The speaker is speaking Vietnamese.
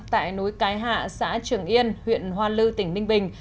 tại núi cái hạ xã trường yên huyện hoa lư tỉnh ninh bình